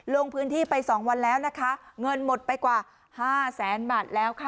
ลงพื้นที่ไป๒วันแล้วนะคะเงินหมดไปกว่าห้าแสนบาทแล้วค่ะ